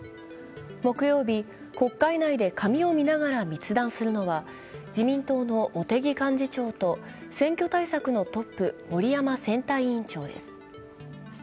木曜日、国会内で紙を見ながら密談するのは、自民党の茂木幹事長と選挙対策のトップ森山選対委員長です。